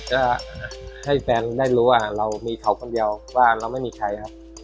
ที่ไหนแกคิดยังไงล่ะที่จะสักตั้งสักหลังของวาเลียนไทย